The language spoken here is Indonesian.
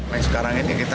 baik sekarang ini kita